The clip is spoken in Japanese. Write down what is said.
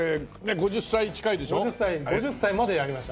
５０歳までやりました。